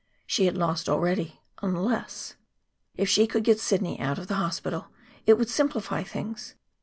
She had lost already, unless If she could get Sidney out of the hospital, it would simplify things.